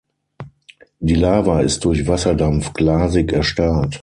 Die Lava ist durch Wasserdampf glasig erstarrt.